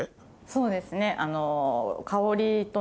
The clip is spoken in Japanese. そうですね。